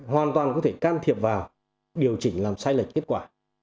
hoàn toàn có thể can thiệp vào điều chỉnh làm sai lệch kết quả